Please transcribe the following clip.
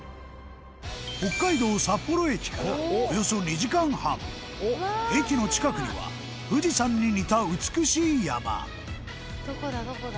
北海道、札幌駅からおよそ２時間半駅の近くには富士山に似た美しい山本仮屋：どこだ？